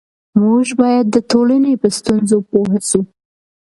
موږ باید د ټولنې په ستونزو پوه سو.